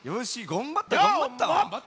がんばったがんばったよ。